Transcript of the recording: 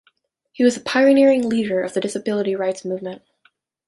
He was a pioneering leader of the disability rights movement.